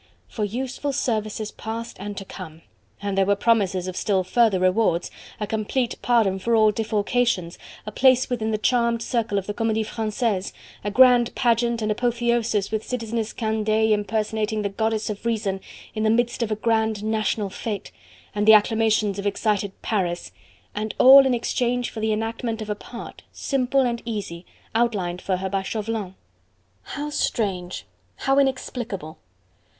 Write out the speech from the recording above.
"For useful services past and to come!" and there were promises of still further rewards, a complete pardon for all defalcations, a place within the charmed circle of the Comedie Francaise, a grand pageant and apotheosis with Citizeness Candeille impersonating the Goddess of Reason, in the midst of a grand national fete, and the acclamations of excited Paris: and all in exchange for the enactment of a part simple and easy outlined for her by Chauvelin!... How strange! how inexplicable!